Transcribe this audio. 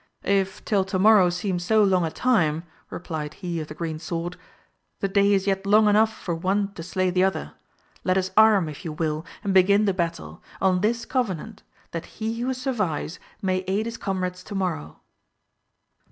If till to morrow seem so long a time, replied he of the green sword, the day is yet long enough for one to slay the other ; let us arm if you will and begin the battle, on this covenant, that he who survives may aid his comrades to morrow.